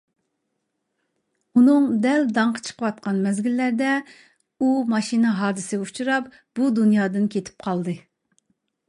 ئۇنىڭ دەل داڭقى چىقىۋاتقان مەزگىللەردە ئۇ ماشىنا ھادىسىسىگە ئۇچراپ بۇ دۇنيادىن كېتىپ قالدى.